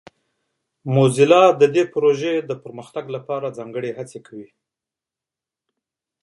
موزیلا د دې پروژې د پرمختګ لپاره ځانګړې هڅې کوي.